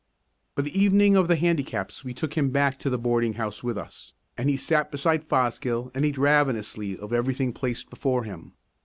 But the evening of the Handicaps we took him back to the boarding house with us, and he sat beside Fosgill and ate ravenously of everything placed before him.